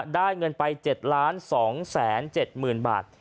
ได้เงินไป๗๒๗๐๐๐บาท